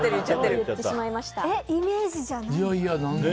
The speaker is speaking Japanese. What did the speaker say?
え、イメージじゃないけど。